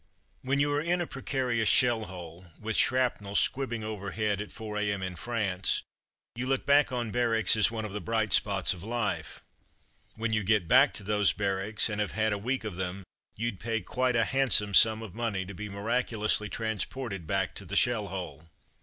'' When you are in a precarious shell hole, with shrapnel squibbing overhead at 4 a.m. in France, you look back on barracks as one of the bright spots of life. When you get back to those barracks, and have had a week of them, you'd pay quite a handsome sum of money to be miraculously tran sported back to the shell hole.